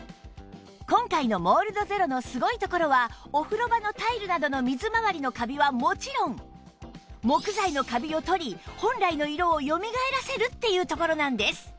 今回のモールドゼロのすごいところはお風呂場のタイルなどの水回りのカビはもちろん木材のカビを取り本来の色をよみがえらせるっていうところなんです